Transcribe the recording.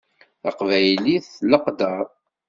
Taqbaylit d leqder.